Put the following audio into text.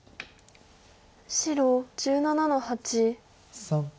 白１７の八。